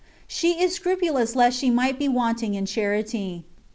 She is scrupulous lest she might be wanting in charity.